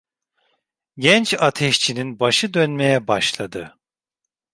Genç ateşçinin başı dönmeye başladı.